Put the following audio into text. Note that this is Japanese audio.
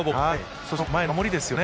そしてその前の守りですよね。